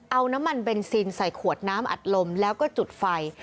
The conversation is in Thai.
เอาน้ำมันเบนซินใส่ขวดน้ำอัดลมแล้วก็จุดไฟ